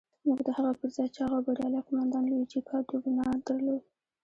موږ د هغه پر ځای چاغ او بریالی قوماندان لويجي کادورنا درلود.